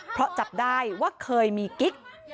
เพราะจับได้ว่าเคยมีกิ๊ก